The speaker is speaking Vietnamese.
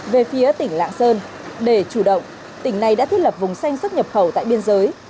về phía tỉnh lạng sơn để chủ động tỉnh này đã thiết lập vùng xanh xuất nhập khẩu tại biên giới